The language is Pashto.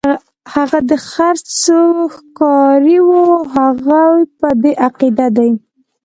هغه د غرڅو ښکاري وو، هغوی په دې عقیده دي.